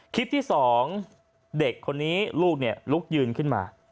คลิปที่๒เด็กคนนี้ลูกลุกยืนขึ้นมา